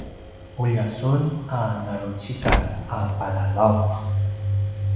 ulja sun a narucikal a palalaut